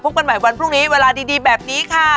กันใหม่วันพรุ่งนี้เวลาดีแบบนี้ค่ะ